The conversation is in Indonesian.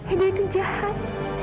edo itu jahat